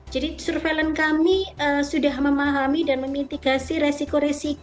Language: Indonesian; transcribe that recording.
jadi surveillance kami sudah memahami dan memitigasi resiko